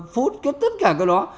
food cái tất cả cái đó